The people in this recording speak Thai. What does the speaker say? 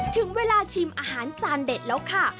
ถึงเวลาชิมอาหารจานเด็ดแล้วค่ะ